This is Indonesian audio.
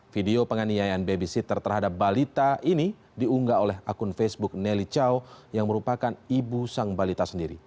video penganiayaan babysitter terhadap balita ini diunggah oleh akun facebook nelly chao yang merupakan ibu sang balita sendiri